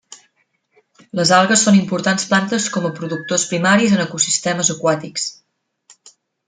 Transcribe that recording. Les algues són importants plantes com a productors primaris en ecosistemes aquàtics.